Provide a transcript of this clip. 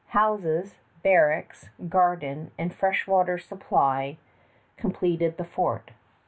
Houses, barracks, garden, and fresh water supply completed the fort.